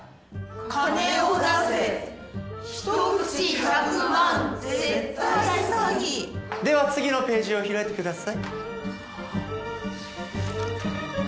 「金を出せひとくち１００万絶対詐欺」では次のページを開いてください。